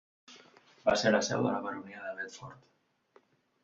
Va ser la seu de la baronia de Bedford.